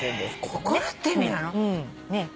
「心」って意味なの！？